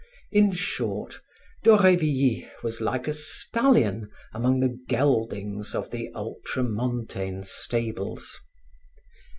In short, d'Aurevilly was like a stallion among the geldings of the ultramontaine stables.